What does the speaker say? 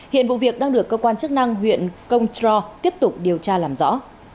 hiện vụ việc đang được cơ quan chức năng huyện công trò tiếp tục điều tra làm rõ